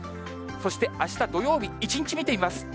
そして、あした土曜日、一日見てみます。